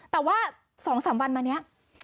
แต่ว่า๒๓วันมานี้